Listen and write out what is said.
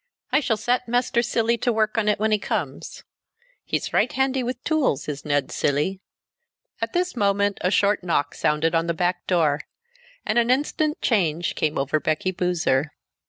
I shall set Master Cilley to work on it when he comes. He's right handy with tools, is Ned Cilley." At this moment a short knock sounded on the back door, and an instant change came over Becky Boozer.